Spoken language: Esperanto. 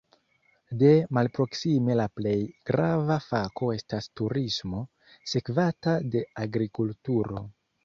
De malproksime la plej grava fako estas turismo, sekvata de agrikulturo.